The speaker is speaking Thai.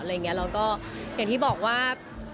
แล้วก็อย่างที่บอกว่า